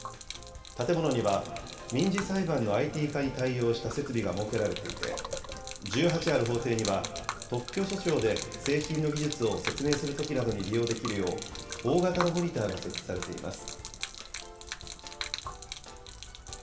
建物には、民事裁判のＩＴ化に対応した設備が設けられていて、１８ある法廷には、特許訴訟で製品の技術を説明するときなどに利用できるよう、大型のモニターが設置されています。